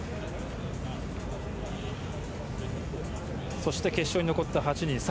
そして、決勝に残った８人です。